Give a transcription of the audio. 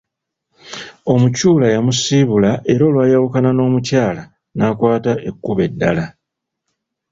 Omukyula yamusiibula era olwayawukana n’omukyala n’akwata ekkubo eddala.